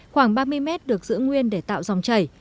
khoảng ba mươi mét được giữ nguyên để tạo dòng chảy